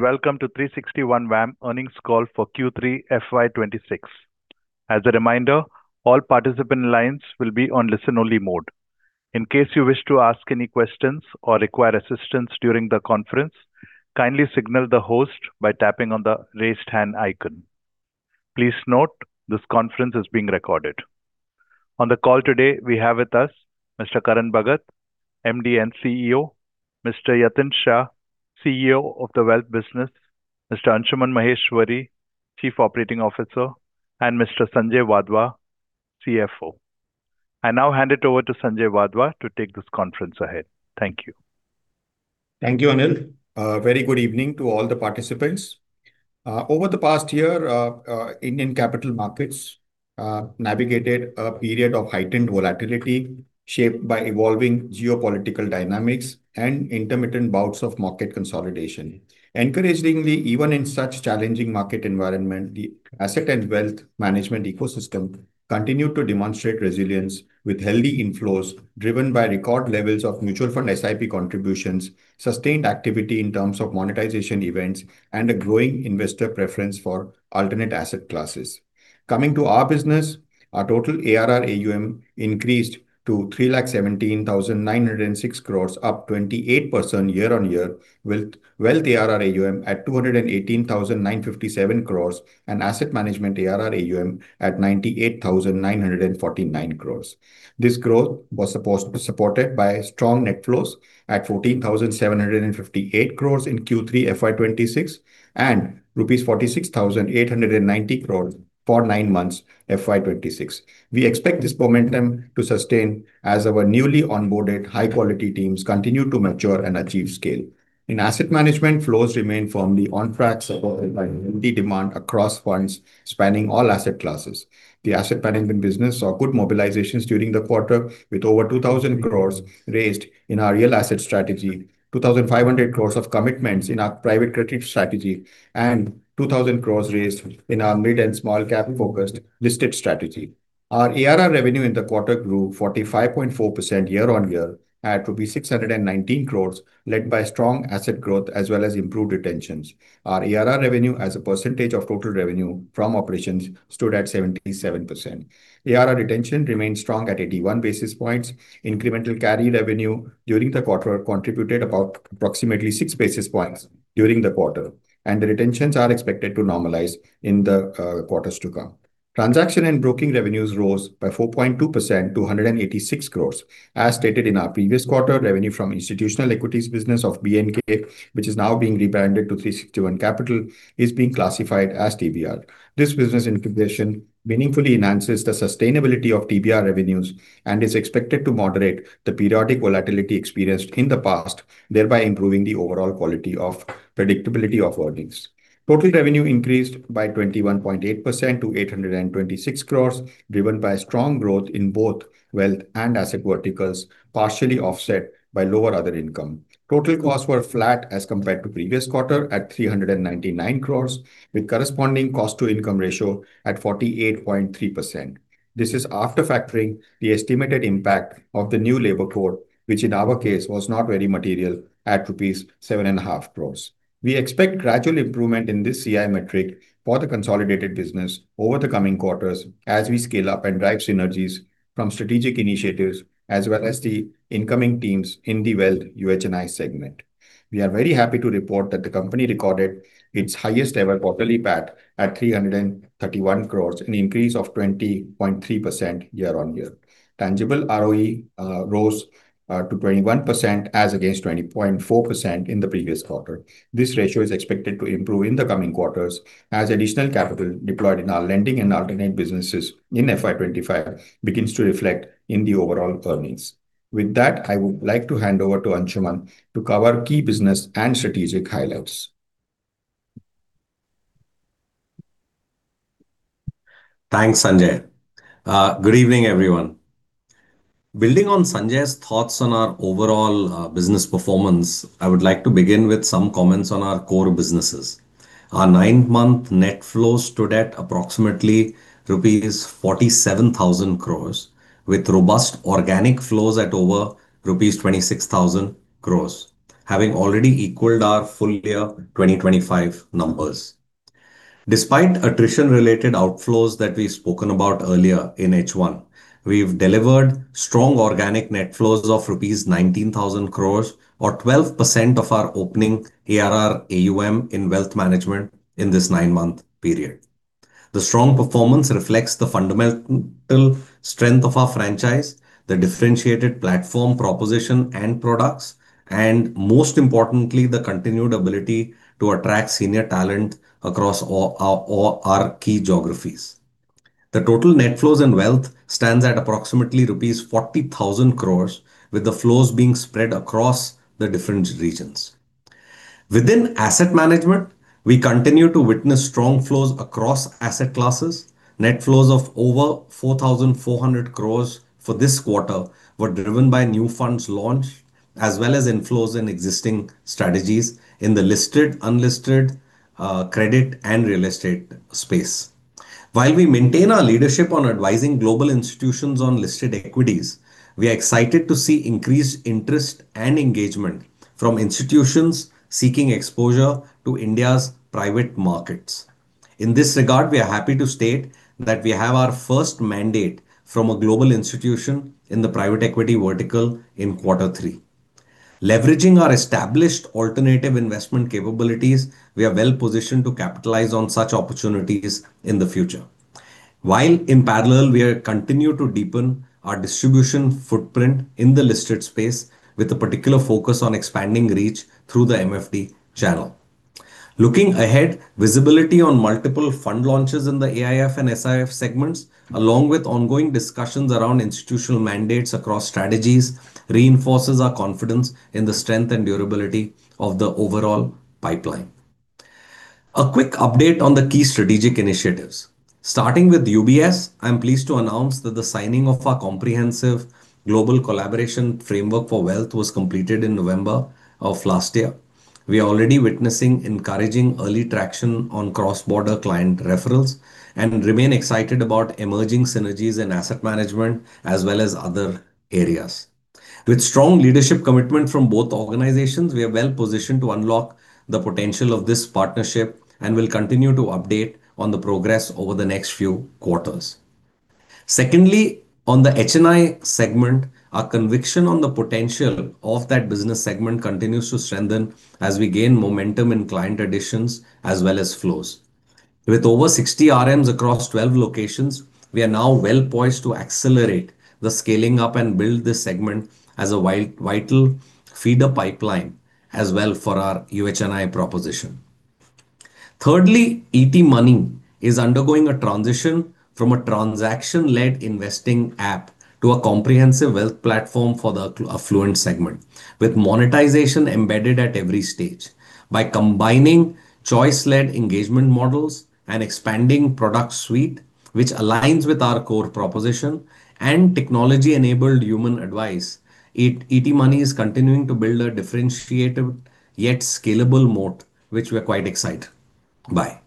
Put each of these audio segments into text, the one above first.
Welcome to 360 ONE WAM earnings call for Q3 FY 2026. As a reminder, all participant lines will be on listen-only mode. In case you wish to ask any questions or require assistance during the conference, kindly signal the host by tapping on the raised hand icon. Please note this conference is being recorded. On the call today, we have with us Mr. Karan Bhagat, MD and CEO, Mr. Yatin Shah, CEO of The Wealth Business, Mr. Anshuman Maheshwary, Chief Operating Officer, and Mr. Sanjay Wadhwa, CFO. I now hand it over to Sanjay Wadhwa to take this conference ahead. Thank you. Thank you, Anil. Very good evening to all the participants. Over the past year, Indian capital markets navigated a period of heightened volatility shaped by evolving geopolitical dynamics and intermittent bouts of market consolidation. Encouragingly, even in such challenging market environment, the asset and wealth management ecosystem continued to demonstrate resilience with healthy inflows driven by record levels of mutual fund SIP contributions, sustained activity in terms of monetization events, and a growing investor preference for alternate asset classes. Coming to our business, our total ARR AUM increased to 317,906 crores, up 28% year-on-year, with Wealth ARR AUM at 218,957 crores and Asset Management ARR AUM at 98,949 crores. This growth was supported by strong net flows at 14,758 crores in Q3 FY 2026 and INR 46,890 crores for nine months FY 2026. We expect this momentum to sustain as our newly onboarded high-quality teams continue to mature and achieve scale. In asset management, flows remain firmly on track, supported by healthy demand across funds spanning all asset classes. The asset management business saw good mobilizations during the quarter, with over 2,000 crores raised in our real asset strategy, 2,500 crores of commitments in our private credit strategy, and 2,000 crores raised in our mid and small-cap-focused listed strategy. Our ARR revenue in the quarter grew 45.4% year-on-year at 619 crores, led by strong asset growth as well as improved retentions. Our ARR revenue, as a percentage of total revenue from operations, stood at 77%. ARR retention remained strong at 81 basis points. Incremental carry revenue during the quarter contributed approximately 6 basis points, and the retentions are expected to normalize in the quarters to come. Transaction and broking revenues rose by 4.2% to 186 crores. As stated in our previous quarter, revenue from institutional equities business of B&K, which is now being rebranded to 360 ONE Capital, is being classified as TBR. This business integration meaningfully enhances the sustainability of TBR revenues and is expected to moderate the periodic volatility experienced in the past, thereby improving the overall quality of predictability of earnings. Total revenue increased by 21.8% to 826 crores, driven by strong growth in both wealth and asset verticals, partially offset by lower other income. Total costs were flat as compared to previous quarter at 399 crores, with corresponding cost-to-income ratio at 48.3%. This is after factoring the estimated impact of the new labor code, which in our case was not very material at rupees 7.5 crores. We expect gradual improvement in this CI metric for the consolidated business over the coming quarters as we scale up and drive synergies from strategic initiatives as well as the incoming teams in the wealth UHNI segment. We are very happy to report that the company recorded its highest-ever quarterly PAT at 331 crores, an increase of 20.3% year-on-year. Tangible ROE rose to 21% as against 20.4% in the previous quarter. This ratio is expected to improve in the coming quarters as additional capital deployed in our lending and alternate businesses in FY 2025 begins to reflect in the overall earnings. With that, I would like to hand over to Anshuman to cover key business and strategic highlights. Thanks, Sanjay. Good evening, everyone. Building on Sanjay's thoughts on our overall business performance, I would like to begin with some comments on our core businesses. Our nine-month net flows stood at approximately rupees 47,000 crores, with robust organic flows at over rupees 26,000 crores, having already equaled our full-year 2025 numbers. Despite attrition-related outflows that we spoke about earlier in H1, we've delivered strong organic net flows of rupees 19,000 crores, or 12% of our opening ARR AUM in wealth management in this nine-month period. The strong performance reflects the fundamental strength of our franchise, the differentiated platform proposition and products, and most importantly, the continued ability to attract senior talent across our key geographies. The total net flows in wealth stands at approximately rupees 40,000 crores, with the flows being spread across the different regions. Within asset management, we continue to witness strong flows across asset classes. Net flows of over 4,400 crores for this quarter were driven by new funds launched as well as inflows in existing strategies in the listed, unlisted, credit, and real estate space. While we maintain our leadership on advising global institutions on listed equities, we are excited to see increased interest and engagement from institutions seeking exposure to India's private markets. In this regard, we are happy to state that we have our first mandate from a global institution in the private equity vertical in quarter three. Leveraging our established alternative investment capabilities, we are well positioned to capitalize on such opportunities in the future. While in parallel, we continue to deepen our distribution footprint in the listed space, with a particular focus on expanding reach through the MFD channel. Looking ahead, visibility on multiple fund launches in the AIF and PMS segments, along with ongoing discussions around institutional mandates across strategies, reinforces our confidence in the strength and durability of the overall pipeline. A quick update on the key strategic initiatives. Starting with UBS, I'm pleased to announce that the signing of our comprehensive global collaboration framework for wealth was completed in November of last year. We are already witnessing encouraging early traction on cross-border client referrals and remain excited about emerging synergies in asset management as well as other areas. With strong leadership commitment from both organizations, we are well positioned to unlock the potential of this partnership and will continue to update on the progress over the next few quarters. Secondly, on the HNI segment, our conviction on the potential of that business segment continues to strengthen as we gain momentum in client additions as well as flows. With over 60 RMs across 12 locations, we are now well poised to accelerate the scaling up and build this segment as a vital feeder pipeline as well for our UHNI proposition. Thirdly, ET Money is undergoing a transition from a transaction-led investing app to a comprehensive wealth platform for the affluent segment, with monetization embedded at every stage. By combining choice-led engagement models and expanding product suite, which aligns with our core proposition and technology-enabled human advice, ET Money is continuing to build a differentiated yet scalable moat, which we are quite excited by.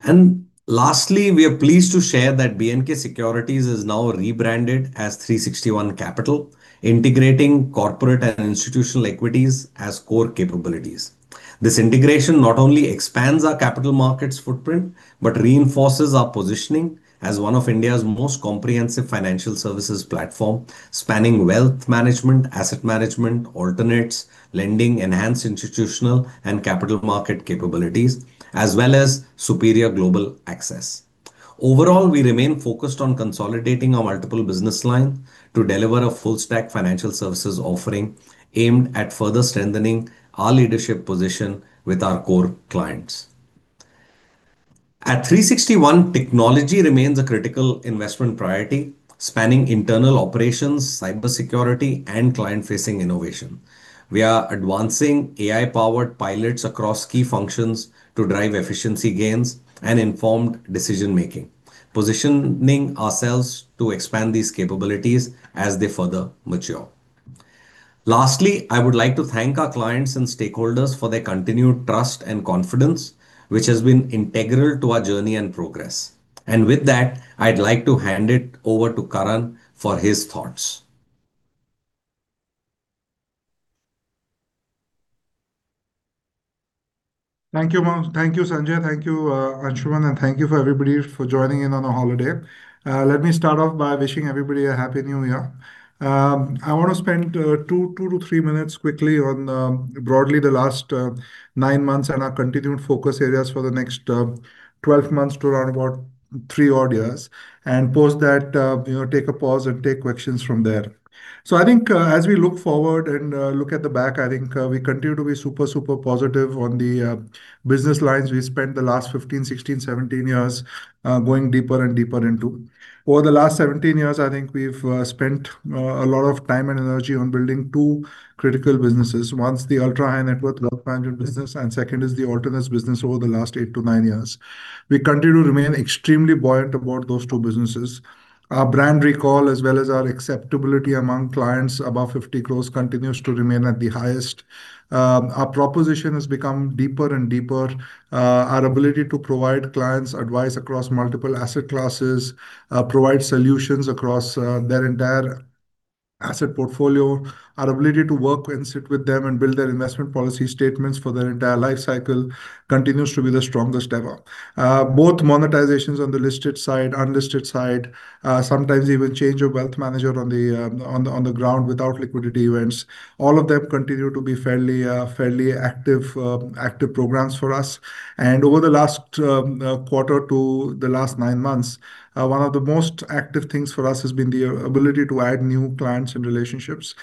And lastly, we are pleased to share that B&K Securities is now rebranded as 360 ONE Capital, integrating corporate and institutional equities as core capabilities. This integration not only expands our capital markets footprint but reinforces our positioning as one of India's most comprehensive financial services platforms, spanning wealth management, asset management, alternates, lending, enhanced institutional and capital market capabilities, as well as superior global access. Overall, we remain focused on consolidating our multiple business lines to deliver a full-stack financial services offering aimed at further strengthening our leadership position with our core clients. At 360 ONE, technology remains a critical investment priority, spanning internal operations, cybersecurity, and client-facing innovation. We are advancing AI-powered pilots across key functions to drive efficiency gains and informed decision-making, positioning ourselves to expand these capabilities as they further mature. Lastly, I would like to thank our clients and stakeholders for their continued trust and confidence, which has been integral to our journey and progress. And with that, I'd like to hand it over to Karan for his thoughts. Thank you. Thank you, Sanjay. Thank you, Anshuman, and thank you for everybody for joining in on a holiday. Let me start off by wishing everybody a Happy New Year. I want to spend two to three minutes quickly on broadly the last nine months and our continued focus areas for the next 12 months to around about three odd years and post that, take a pause and take questions from there. So I think as we look forward and look at the back, I think we continue to be super, super positive on the business lines we spent the last 15, 16, 17 years going deeper and deeper into. Over the last 17 years, I think we've spent a lot of time and energy on building two critical businesses. ONE's the ultra-high net worth wealth management business, and second is the alternatives business over the last eight to nine years. We continue to remain extremely buoyant about those two businesses. Our brand recall as well as our acceptability among clients above 50 crores continues to remain at the highest. Our proposition has become deeper and deeper. Our ability to provide clients advice across multiple asset classes, provide solutions across their entire asset portfolio, our ability to work and sit with them and build their investment policy statements for their entire life cycle continues to be the strongest ever. Both monetizations on the listed side, unlisted side, sometimes even change of wealth manager on the ground without liquidity events, all of them continue to be fairly active programs for us. Over the last quarter to the last nine months, one of the most active things for us has been the ability to add new clients and relationships.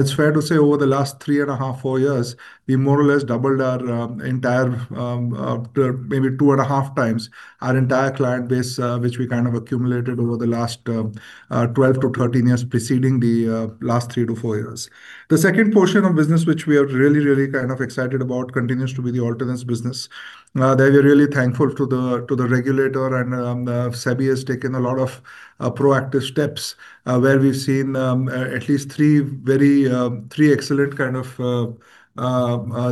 It's fair to say over the last three and a half, four years, we more or less doubled our entire, maybe 2.5x, our entire client base, which we kind of accumulated over the last 12-13 years preceding the last three to four years. The second portion of business, which we are really, really kind of excited about, continues to be the alternatives business. They were really thankful to the regulator, and SEBI has taken a lot of proactive steps where we've seen at least three very excellent kind of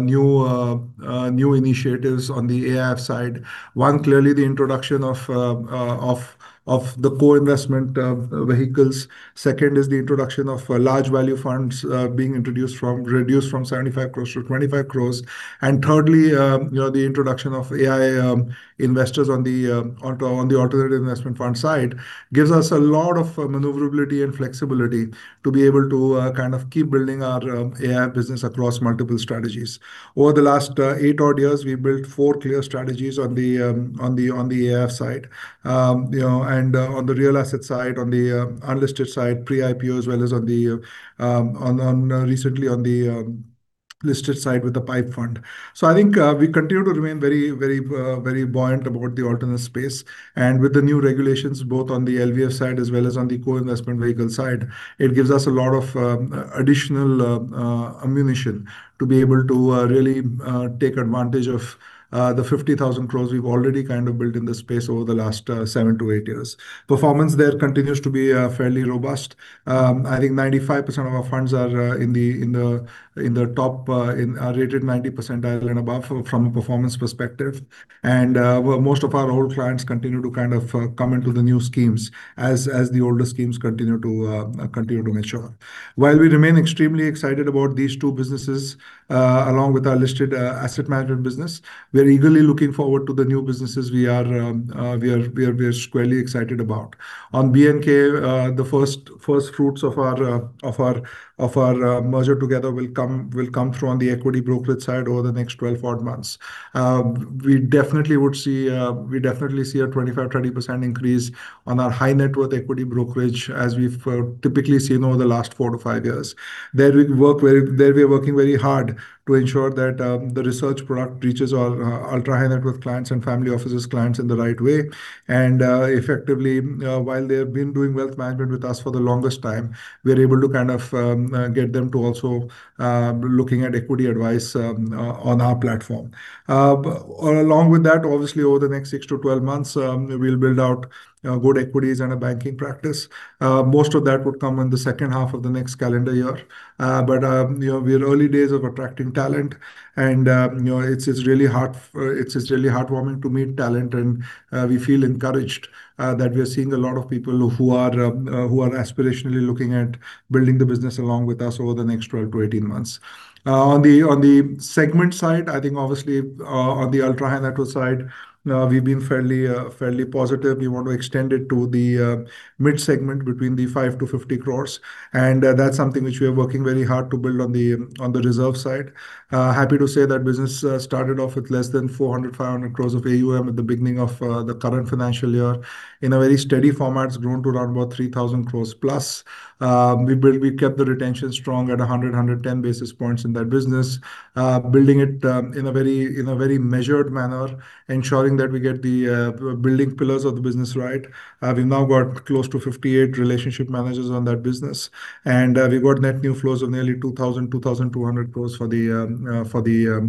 new initiatives on the AIF side. One, clearly the introduction of the core investment vehicles. Second is the introduction of large value funds reduced from 75 crores to 25 crores. And thirdly, the introduction of AIF investors on the alternative investment fund side gives us a lot of maneuverability and flexibility to be able to kind of keep building our AIF business across multiple strategies. Over the last eight odd years, we built four clear strategies on the AIF side and on the real asset side, on the unlisted side, pre-IPO, as well as recently on the listed side with the PIPE fund. So I think we continue to remain very, very buoyant about the alternative space. With the new regulations, both on the LVF side as well as on the core investment vehicle side, it gives us a lot of additional ammunition to be able to really take advantage of the 50,000 crores we've already kind of built in the space over the last seven-to-eight years. Performance there continues to be fairly robust. I think 95% of our funds are in the top-rated 90th percentile and above from a performance perspective. Most of our old clients continue to kind of come into the new schemes as the older schemes continue to mature. While we remain extremely excited about these two businesses along with our listed asset management business, we're eagerly looking forward to the new businesses we are squarely excited about. On B&K, the first fruits of our merger together will come through on the equity brokerage side over the next 12 odd months. We definitely would see a 25%-30% increase on our high net worth equity brokerage as we've typically seen over the last four to five years. There we are working very hard to ensure that the research product reaches our ultra-high net worth clients and family offices clients in the right way, and effectively, while they have been doing wealth management with us for the longest time, we're able to kind of get them to also looking at equity advice on our platform. Along with that, obviously, over the next six to 12 months, we'll build out good equities and a banking practice. Most of that would come in the second half of the next calendar year. But we're in the early days of attracting talent, and it's really heartwarming to meet talent, and we feel encouraged that we're seeing a lot of people who are aspirationally looking at building the business along with us over the next 12-18 months. On the segment side, I think obviously on the ultra-high net worth side, we've been fairly positive. We want to extend it to the mid segment between the 5 crores-50 crores. And that's something which we are working very hard to build on the reserve side. Happy to say that business started off with less than 400 crores-500 crores of AUM at the beginning of the current financial year in a very steady format. It's grown to around about 3,000 crores+. We kept the retention strong at 100-110 basis points in that business, building it in a very measured manner, ensuring that we get the building pillars of the business right. We've now got close to 58 relationship managers on that business, and we've got net new flows of nearly 2,000 crores-2,200 crores for the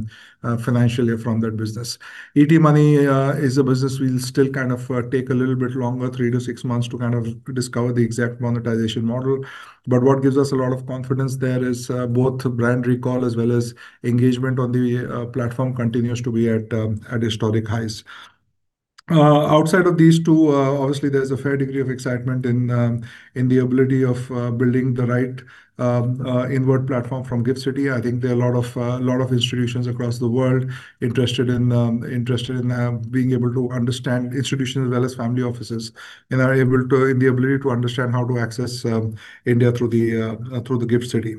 financial year from that business. ET Money is a business we'll still kind of take a little bit longer, three to six months to kind of discover the exact monetization model. But what gives us a lot of confidence there is both brand recall as well as engagement on the platform continues to be at historic highs. Outside of these two, obviously, there's a fair degree of excitement in the ability of building the right inward platform from GIFT City. I think there are a lot of institutions across the world interested in being able to understand institutions as well as family offices and are able to, in the ability to understand how to access India through the GIFT City.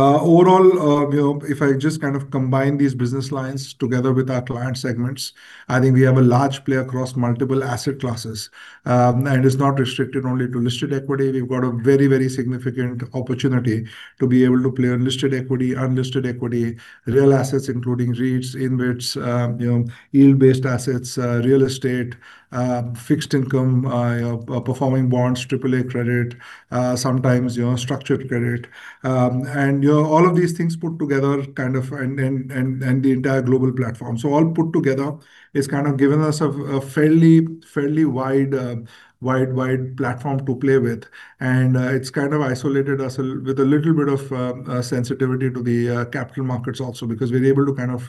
Overall, if I just kind of combine these business lines together with our client segments, I think we have a large player across multiple asset classes, and it's not restricted only to listed equity. We've got a very, very significant opportunity to be able to play on listed equity, unlisted equity, real assets, including REITs, InvITs, yield-based assets, real estate, fixed income, performing bonds, AAA credit, sometimes structured credit, and all of these things put together kind of the entire global platform, so all put together has kind of given us a fairly wide platform to play with. It's kind of isolated us with a little bit of sensitivity to the capital markets also because we're able to kind of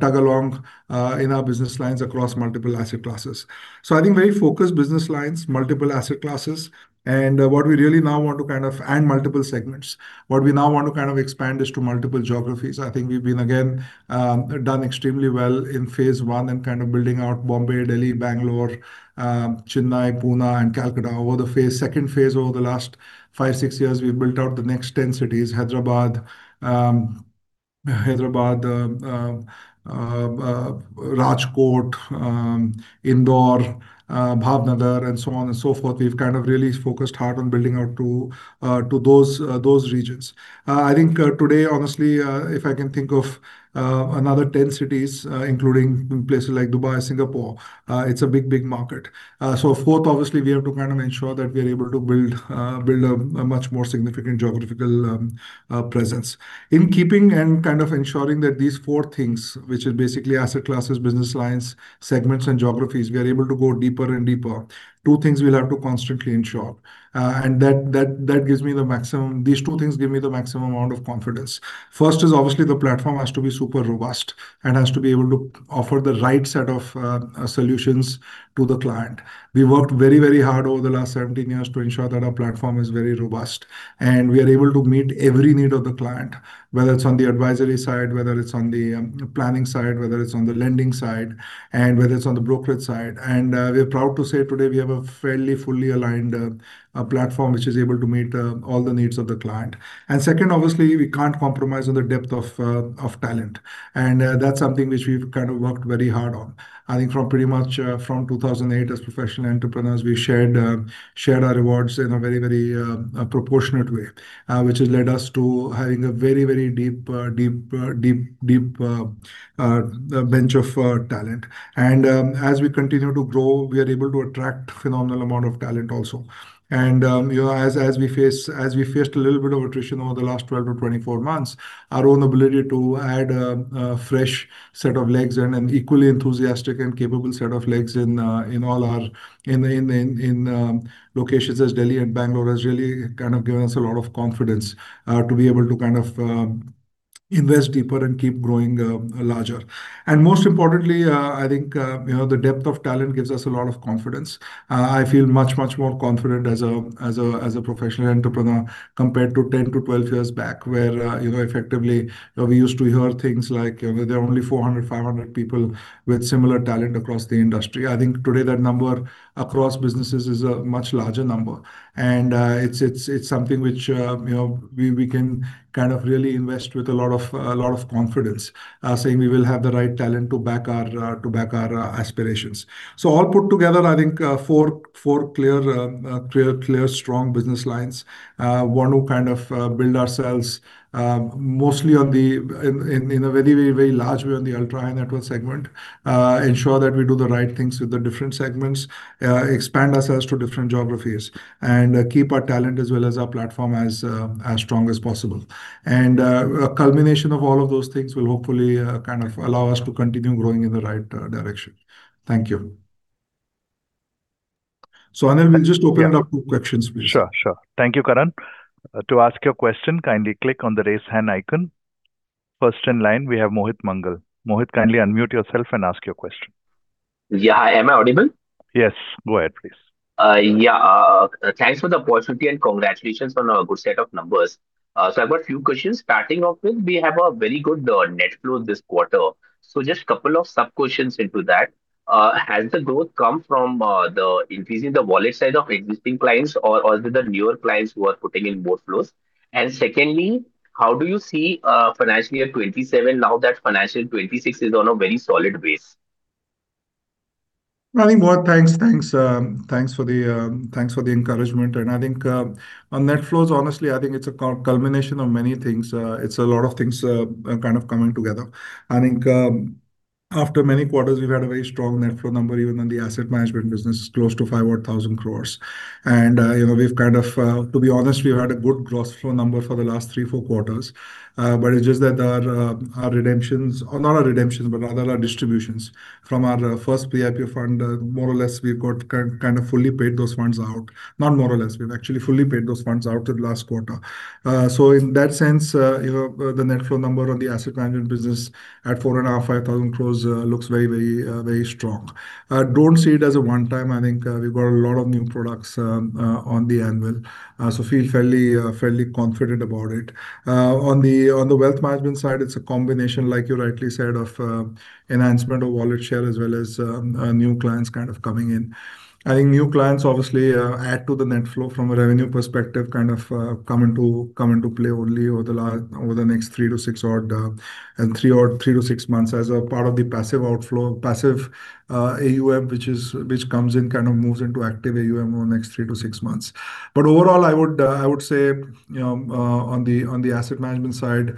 tug along in our business lines across multiple asset classes. So I think very focused business lines, multiple asset classes, and multiple segments. What we now want to kind of expand is to multiple geographies. I think we've again done extremely well in phase one and kind of building out Mumbai, New Delhi, Bengaluru, Chennai, Pune, and Kolkata over the phase. Second phase over the last five, six years, we've built out the next 10 cities, Hyderabad, Rajkot, Indore, Bhavnagar, and so on and so forth. We've kind of really focused hard on building out to those regions. I think today, honestly, if I can think of another 10 cities, including places like Dubai, Singapore, it's a big, big market. So fourth, obviously, we have to kind of ensure that we are able to build a much more significant geographical presence. In keeping and kind of ensuring that these four things, which are basically asset classes, business lines, segments, and geographies, we are able to go deeper and deeper, two things we'll have to constantly ensure. And that gives me the maximum, these two things give me the maximum amount of confidence. First is obviously the platform has to be super robust and has to be able to offer the right set of solutions to the client. We worked very, very hard over the last 17 years to ensure that our platform is very robust and we are able to meet every need of the client, whether it's on the advisory side, whether it's on the planning side, whether it's on the lending side, and whether it's on the brokerage side. And we're proud to say today we have a fairly fully aligned platform which is able to meet all the needs of the client. And second, obviously, we can't compromise on the depth of talent. And that's something which we've kind of worked very hard on. I think from pretty much 2008 as professional entrepreneurs, we shared our rewards in a very, very proportionate way, which has led us to having a very, very deep, deep, deep, deep bench of talent. And as we continue to grow, we are able to attract a phenomenal amount of talent also. And as we faced a little bit of attrition over the last 12-24 months, our own ability to add a fresh set of legs and an equally enthusiastic and capable set of legs in all our locations as Delhi and Bangalore has really kind of given us a lot of confidence to be able to kind of invest deeper and keep growing larger. And most importantly, I think the depth of talent gives us a lot of confidence. I feel much, much more confident as a professional entrepreneur compared to 10-12 years back where effectively we used to hear things like there are only 400, 500 people with similar talent across the industry. I think today that number across businesses is a much larger number. And it's something which we can kind of really invest with a lot of confidence saying we will have the right talent to back our aspirations. So all put together, I think four clear, clear, clear strong business lines want to kind of build ourselves mostly in a very, very, very large way on the ultra-high net worth segment, ensure that we do the right things with the different segments, expand ourselves to different geographies, and keep our talent as well as our platform as strong as possible. And a culmination of all of those things will hopefully kind of allow us to continue growing in the right direction. Thank you. So Anil, we'll just open it up to questions, please. Sure, sure. Thank you, Karan. To ask your question, kindly click on the raise hand icon. First in line, we have Mohit Mangal. Mohit, kindly unmute yourself and ask your question. Yeah, am I audible? Yes, go ahead, please. Yeah, thanks for the opportunity and congratulations on a good set of numbers. So I've got a few questions. Starting off with, we have a very good net flow this quarter. So just a couple of sub-questions into that. Has the growth come from increasing the wallet size of existing clients or the newer clients who are putting in more flows? And secondly, how do you see financial year 2027 now that financial 26 is on a very solid base? I think. Thanks, thanks, thanks for the encouragement. And I think on net flows, honestly, I think it's a culmination of many things. It's a lot of things kind of coming together. I think after many quarters, we've had a very strong net flow number, even in the asset management business, close to 500,000 crore. And we've kind of, to be honest, we've had a good gross flow number for the last three, four quarters. But it's just that our redemptions, or not our redemptions, but rather our distributions from our first PIPE fund, more or less, we've got kind of fully paid those funds out. Not more or less, we've actually fully paid those funds out to the last quarter. So in that sense, the net flow number on the asset management business at 4,500 crore-5,000 crore looks very, very, very strong. Don't see it as a one-time. I think we've got a lot of new products on the anvil. So feel fairly, fairly confident about it. On the wealth management side, it's a combination, like you rightly said, of enhancement of wallet share as well as new clients kind of coming in. I think new clients obviously add to the net flow from a revenue perspective, kind of come into play only over the next three to six odd and three to six months as a part of the passive outflow, passive AUM, which comes in, kind of moves into active AUM over the next three to six months. But overall, I would say on the asset management side,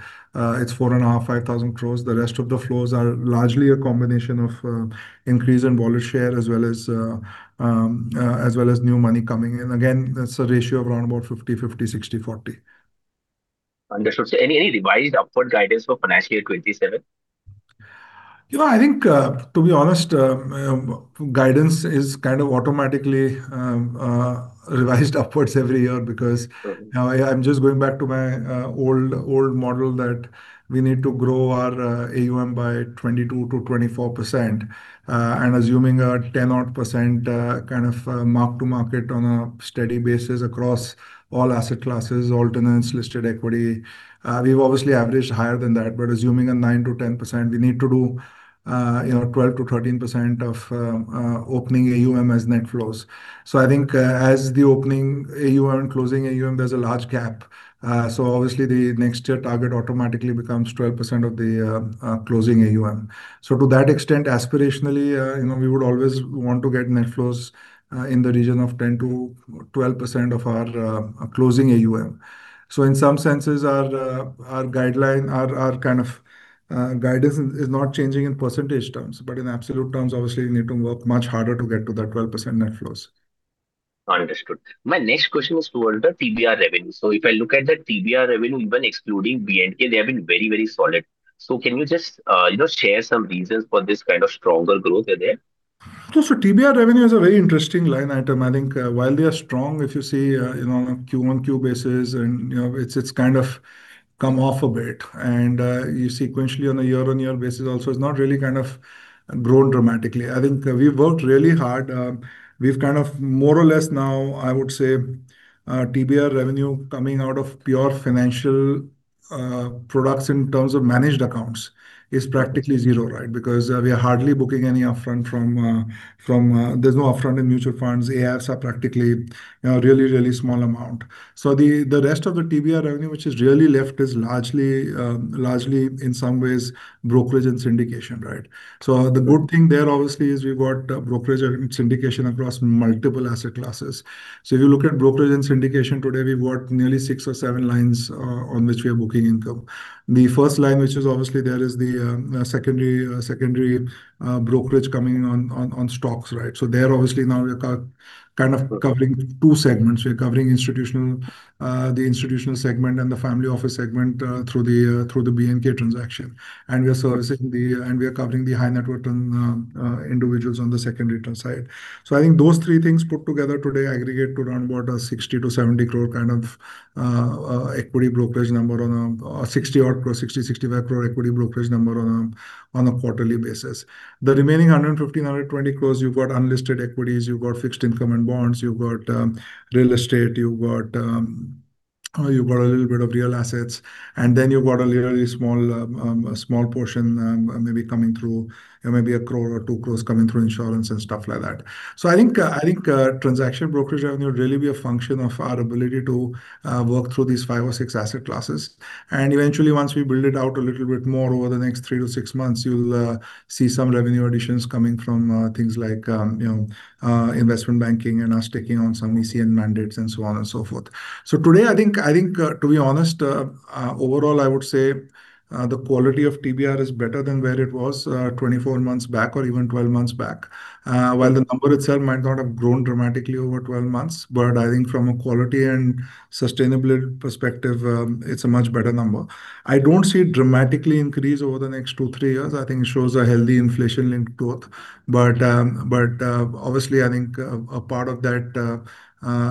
it's 4,500 crores-5,000 crores. The rest of the flows are largely a combination of increase in wallet share as well as new money coming in. Again, that's a ratio of around about 50, 50, 60, 40. Wonderful. So any revised upward guidance for financial year 2027? You know, I think, to be honest, guidance is kind of automatically revised upwards every year because I'm just going back to my old model that we need to grow our AUM by 22%-24% and assuming a 10-odd% kind of mark-to-market on a steady basis across all asset classes, alternates, listed equity. We've obviously averaged higher than that, but assuming a 9%-10%, we need to do 12%-13% of opening AUM as net flows. So I think as the opening AUM and closing AUM, there's a large gap. So obviously, the next year target automatically becomes 12% of the closing AUM. So to that extent, aspirationally, we would always want to get net flows in the region of 10%-12% of our closing AUM. So in some senses, our guideline, our kind of guidance is not changing in percentage terms, but in absolute terms, obviously, we need to work much harder to get to that 12% net flows. Understood. My next question is toward the TBR revenue. So if I look at the TBR revenue, even excluding B&K, they have been very, very solid. So can you just share some reasons for this kind of stronger growth there? So TBR revenue is a very interesting line item. I think while they are strong, if you see on a Q1, Q basis, and it's kind of come off a bit. And you sequentially on a year-on-year basis also, it's not really kind of grown dramatically. I think we've worked really hard. We've kind of more or less now, I would say, TBR revenue coming out of pure financial products in terms of managed accounts is practically zero, right? Because we are hardly booking any upfront from there. There's no upfront in mutual funds. AIFs are practically a really, really small amount. So the rest of the TBR revenue, which is really left, is largely in some ways brokerage and syndication, right? So the good thing there obviously is we've got brokerage and syndication across multiple asset classes. So if you look at brokerage and syndication today, we've got nearly six or seven lines on which we are booking income. The first line, which is obviously there, is the secondary brokerage coming on stocks, right? So there obviously now we're kind of covering two segments. We're covering the institutional segment and the family office segment through the B&K transaction. We're servicing and covering the high net worth individuals on the secondary side. So I think those three things put together today aggregate to around about a 60 crore-70 crore kind of equity brokerage number on a 60-odd crore, 60 crore-65 crore equity brokerage number on a quarterly basis. The remaining 115 crores-120 crores, you've got unlisted equities, you've got fixed income and bonds, you've got real estate, you've got a little bit of real assets, and then you've got a really small portion maybe coming through, maybe a crore or two crores coming through insurance and stuff like that. So I think transaction brokerage revenue would really be a function of our ability to work through these five or six asset classes. Eventually, once we build it out a little bit more over the next three to six months, you'll see some revenue additions coming from things like investment banking and us taking on some ECM mandates and so on and so forth. So today, I think, to be honest, overall, I would say the quality of TBR is better than where it was 24 months back or even 12 months back. While the number itself might not have grown dramatically over 12 months, but I think from a quality and sustainability perspective, it's a much better number. I don't see it dramatically increase over the next two, three years. I think it shows a healthy inflation linked growth. But obviously, I think a part of that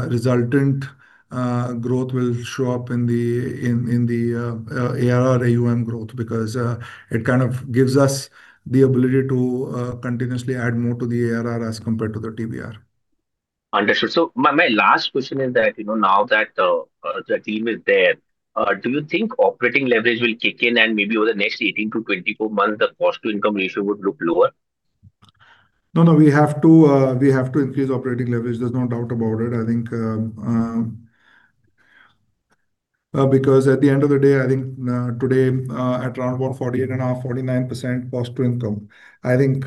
resultant growth will show up in the ARR AUM growth because it kind of gives us the ability to continuously add more to the ARR as compared to the TBR. Understood. So my last question is that now that the team is there, do you think operating leverage will kick in and maybe over the next 18-24 months, the cost-to-income ratio would look lower? No, no, we have to increase operating leverage. There's no doubt about it. I think because at the end of the day, I think today at around about 48.5%, 49% cost-to-income, I think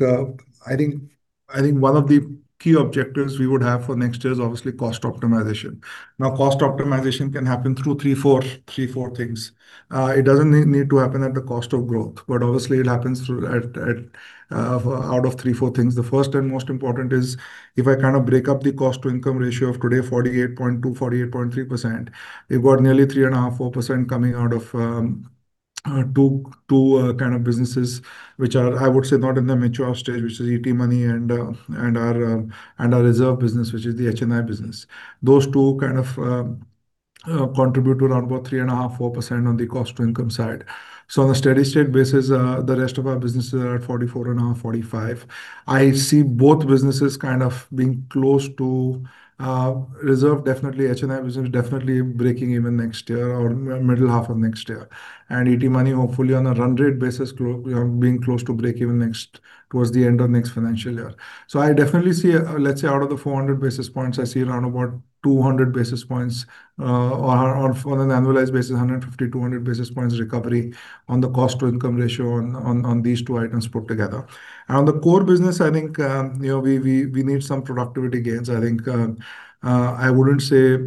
one of the key objectives we would have for next year is obviously cost optimization. Now, cost optimization can happen through three, four things. It doesn't need to happen at the cost of growth, but obviously it happens out of three, four things. The first and most important is if I kind of break up the cost-to-income ratio of today, 48.2%-48.3%, we've got nearly 3.5%-4% coming out of two kind of businesses which are, I would say, not in the mature stage, which is ET Money and our reserve business, which is the HNI business. Those two kind of contribute to around about 3.5%-4% on the cost-to-income side. So on a steady state basis, the rest of our businesses are at 44.5%-45%. I see both businesses kind of being close to reserve, definitely HNI business, definitely breaking even next year or middle half of next year. ET Money, hopefully on a run rate basis, being close to break even next towards the end of next financial year. So I definitely see, let's say out of the 400 basis points, I see around about 200 basis points or on an annualized basis, 150-200 basis points recovery on the cost-to-income ratio on these two items put together. On the core business, I think we need some productivity gains. I think I wouldn't say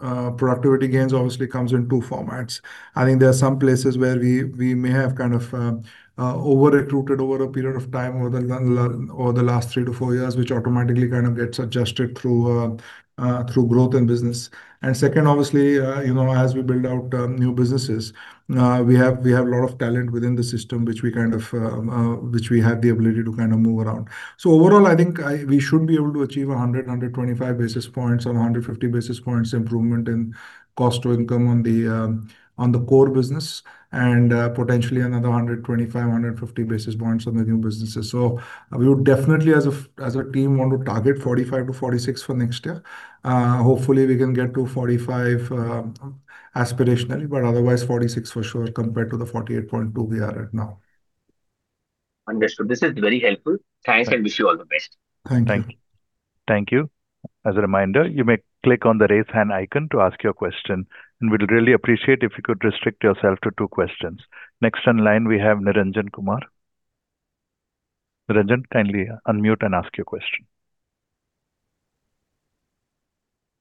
productivity gains obviously comes in two formats. I think there are some places where we may have kind of over-recruited over a period of time over the last three to four years, which automatically kind of gets adjusted through growth and business. Second, obviously, as we build out new businesses, we have a lot of talent within the system, which we have the ability to kind of move around. So overall, I think we should be able to achieve 100-125 basis points or 150 basis points improvement in cost-to-income on the core business and potentially another 125-150 basis points on the new businesses. So we would definitely, as a team, want to target 45-46 for next year. Hopefully, we can get to 45 aspirationally, but otherwise 46 for sure compared to the 48.2 we are at now. Understood. This is very helpful. Thanks, and wish you all the best. Thank you. Thank you. As a reminder, you may click on the raise hand icon to ask your question. We'd really appreciate if you could restrict yourself to two questions. Next on line, we have Niranjan Karfa. Niranjan, kindly unmute and ask your question.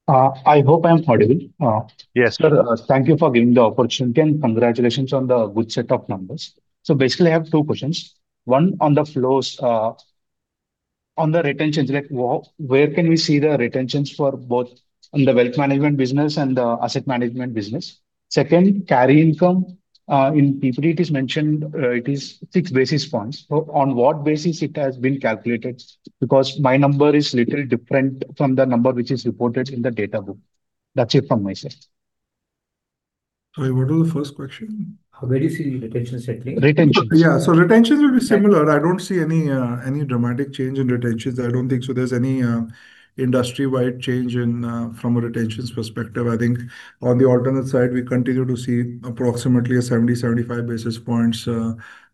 I hope I'm audible. Yes, sir. Thank you for giving the opportunity and congratulations on the good set of numbers. So basically, I have two questions. One on the flows, on the retentions, where can we see the retentions for both the wealth management business and the asset management business? Second, carry income in PPT, it is mentioned it is six basis points. On what basis it has been calculated? Because my number is a little different from the number which is reported in the data book. That's it from my side. Sorry, what was the first question? Where do you see retentions settling? Retentions. Yeah, so retentions will be similar. I don't see any dramatic change in retentions. I don't think so there's any industry-wide change from a retentions perspective. I think on the alternate side, we continue to see approximately 70-75 basis points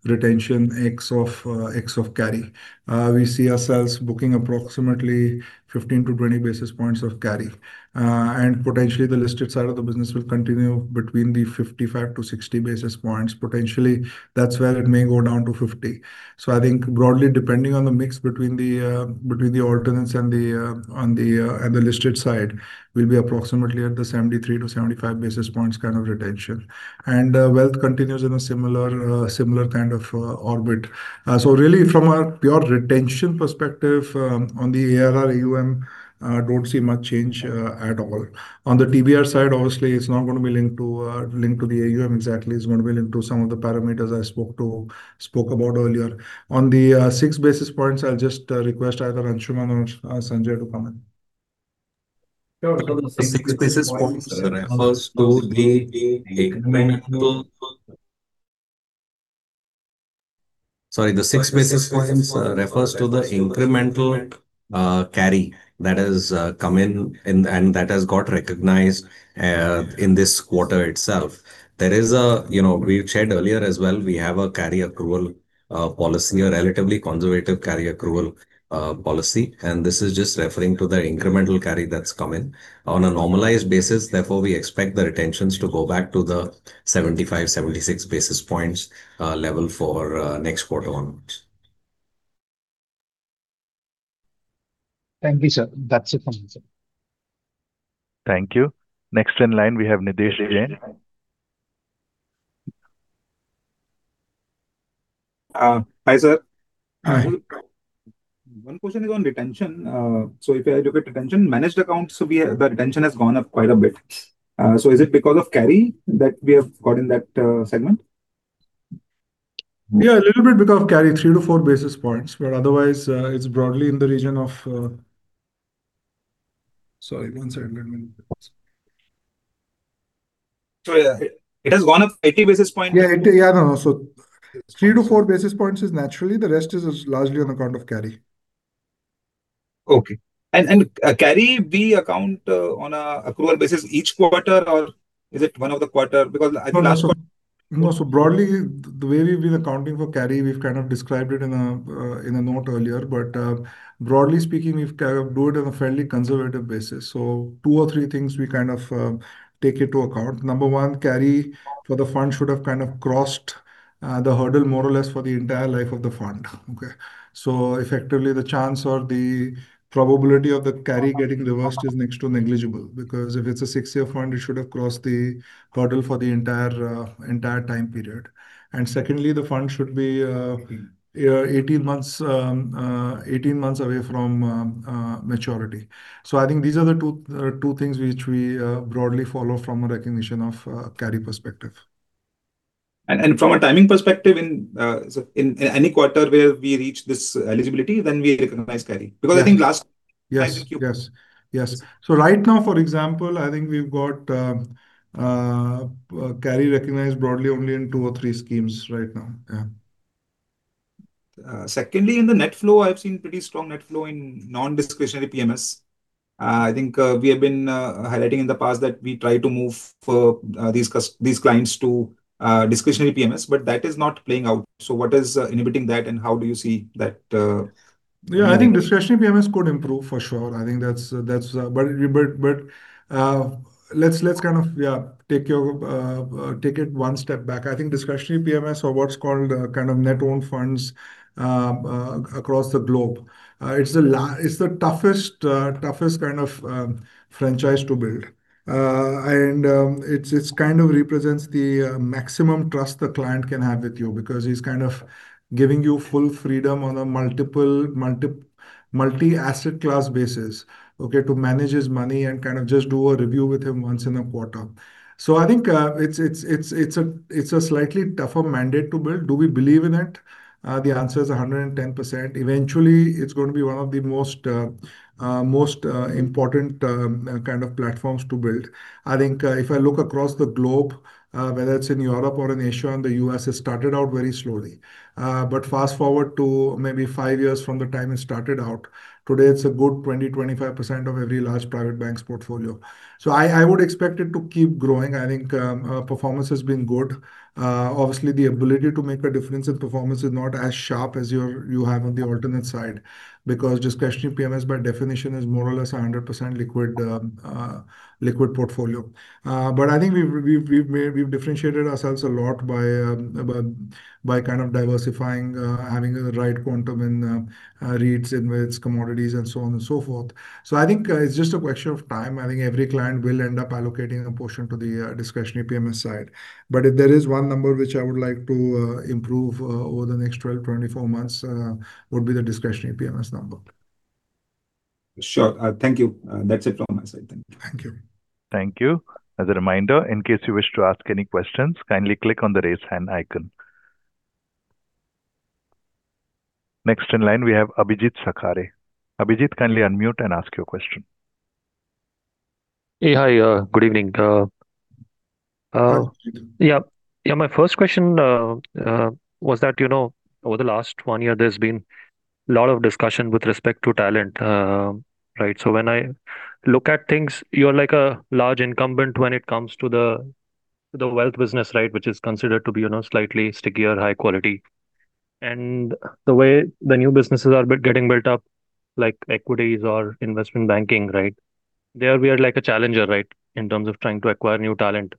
retention ex of carry. We see ourselves booking approximately 15-20 basis points of carry. And potentially, the listed side of the business will continue between the 55-60 basis points. Potentially, that's where it may go down to 50. So I think broadly, depending on the mix between the alternates and the listed side, we'll be approximately at the 73-75 basis points kind of retention. And wealth continues in a similar kind of orbit. So really, from a pure retention perspective, on the ARR AUM, I don't see much change at all. On the TBR side, obviously, it's not going to be linked to the AUM exactly. It's going to be linked to some of the parameters I spoke about earlier. On the six basis points, I'll just request either Anshuman or Sanjay to come in. Six basis points refers to the incremental, sorry, the six basis points refers to the incremental carry that has come in and that has got recognized in this quarter itself. There is a, we've shared earlier as well, we have a carry accrual policy, a relatively conservative carry accrual policy. And this is just referring to the incremental carry that's come in on a normalized basis. Therefore, we expect the retentions to go back to the 75-76 basis points level for next quarter onwards. Thank you, sir. That's it from my side. Thank you. Next in line, we have Nitesh Jain. Hi, sir. One question is on retention. So if I look at retention, managed accounts, the retention has gone up quite a bit. So is it because of carry that we have got in that segment? Yeah, a little bit because of carry, 3-4 basis points. But otherwise, it's broadly in the region of, sorry, one second. So it has gone up 80 basis points? Yeah, yeah, no. So three to four basis points is naturally. The rest is largely on account of carry. Okay. And is carry accounted on an accrual basis each quarter, or is it one of the quarters? Because I think last quarter. No, so broadly, the way we've been accounting for carry, we've kind of described it in a note earlier. But broadly speaking, we've kind of done it on a fairly conservative basis. So two or three things we kind of take into account. Number one, carry for the fund should have kind of crossed the hurdle more or less for the entire life of the fund. Okay, so effectively, the chance or the probability of the carry getting reversed is next to negligible. Because if it's a six-year fund, it should have crossed the hurdle for the entire time period. And secondly, the fund should be 18 months away from maturity. So I think these are the two things which we broadly follow from a recognition of carry perspective. And from a timing perspective, in any quarter where we reach this eligibility, then we recognize carry. Because I think last. Yes, yes. So right now, for example, I think we've got carry recognized broadly only in two or three schemes right now. Yeah. Secondly, in the net flow, I've seen pretty strong net flow in non-discretionary PMS. I think we have been highlighting in the past that we try to move these clients to discretionary PMS, but that is not playing out. So what is inhibiting that, and how do you see that? Yeah, I think discretionary PMS could improve for sure. I think that's, but let's kind of take it one step back. I think discretionary PMS or what's called kind of net owned funds across the globe, it's the toughest kind of franchise to build. And it kind of represents the maximum trust the client can have with you because he's kind of giving you full freedom on a multi-asset class basis, okay, to manage his money and kind of just do a review with him once in a quarter. So I think it's a slightly tougher mandate to build. Do we believe in it? The answer is 110%. Eventually, it's going to be one of the most important kind of platforms to build. I think if I look across the globe, whether it's in Europe or in Asia and the U.S., it started out very slowly. But fast forward to maybe five years from the time it started out, today it's a good 20%-25% of every large private bank's portfolio. So I would expect it to keep growing. I think performance has been good. Obviously, the ability to make a difference in performance is not as sharp as you have on the alternate side because discretionary PMS by definition is more or less a 100% liquid portfolio. But I think we've differentiated ourselves a lot by kind of diversifying, having the right quantum in REITs, in REITs, commodities, and so on and so forth. So I think it's just a question of time. I think every client will end up allocating a portion to the discretionary PMS side. But if there is one number which I would like to improve over the next 12, 24 months, it would be the discretionary PMS number. Sure. Thank you. That's it from my side. Thank you. Thank you. As a reminder, in case you wish to ask any questions, kindly click on the raise hand icon. Next in line, we have Abhijit Sakhare. Abhijit, kindly unmute and ask your question. Hey, hi. Good evening. Yeah, my first question was that over the last one year, there's been a lot of discussion with respect to talent, right? So when I look at things, you're like a large incumbent when it comes to the wealth business, right, which is considered to be slightly stickier, high quality. And the way the new businesses are getting built up, like equities or investment banking, right, there we are like a challenger, right, in terms of trying to acquire new talent.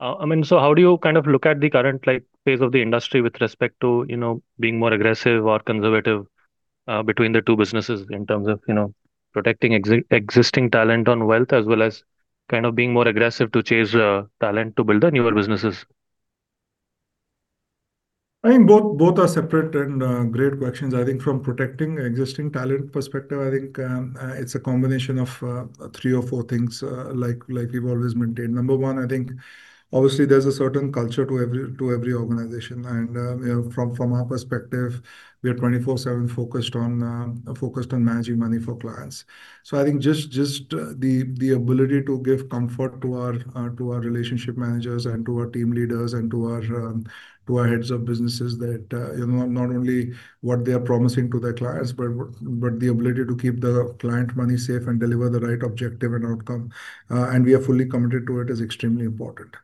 I mean, so how do you kind of look at the current phase of the industry with respect to being more aggressive or conservative between the two businesses in terms of protecting existing talent on wealth as well as kind of being more aggressive to chase talent to build the newer businesses? I think both are separate and great questions. I think from protecting existing talent perspective, I think it's a combination of three or four things like we've always maintained. Number one, I think obviously there's a certain culture to every organization. And from our perspective, we are 24/7 focused on managing money for clients. So I think just the ability to give comfort to our relationship managers and to our team leaders and to our heads of businesses that not only what they are promising to their clients, but the ability to keep the client money safe and deliver the right objective and outcome. And we are fully committed to it is extremely important.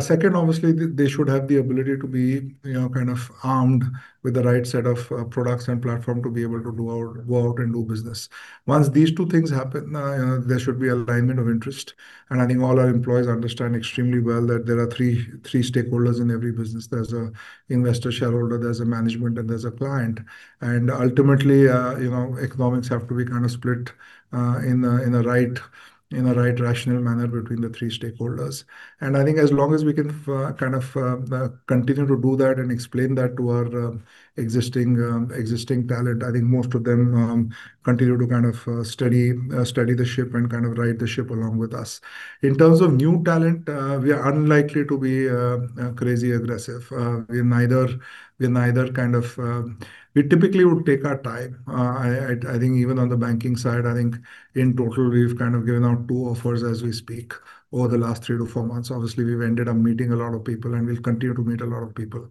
Second, obviously, they should have the ability to be kind of armed with the right set of products and platform to be able to go out and do business. Once these two things happen, there should be alignment of interest. And I think all our employees understand extremely well that there are three stakeholders in every business. There's an investor shareholder, there's a management, and there's a client. And ultimately, economics have to be kind of split in a right rational manner between the three stakeholders. I think as long as we can kind of continue to do that and explain that to our existing talent, I think most of them continue to kind of steady the ship and kind of ride the ship along with us. In terms of new talent, we are unlikely to be crazy aggressive. We're neither kind of we typically would take our time. I think even on the banking side, I think in total, we've kind of given out two offers as we speak over the last three to four months. Obviously, we've ended up meeting a lot of people, and we'll continue to meet a lot of people.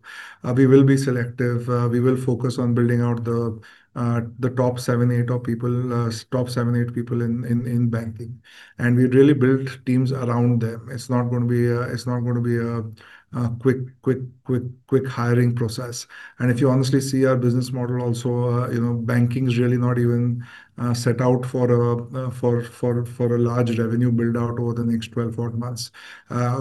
We will be selective. We will focus on building out the top seven, eight of people, top seven, eight people in banking. And we really built teams around them. It's not going to be a quick hiring process, and if you honestly see our business model, also banking is really not even set out for a large revenue build-out over the next 12-14 months.